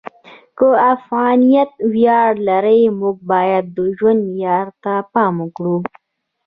که افغانیت ویاړ لري، موږ باید د ژوند معیار ته پام وکړو.